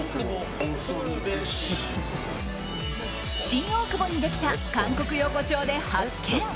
新大久保にできた韓国横丁で発見。